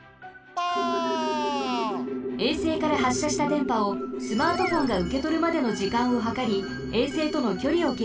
衛星からはっしゃしたでんぱをスマートフォンがうけとるまでのじかんをはかり衛星とのきょりをけいさんします。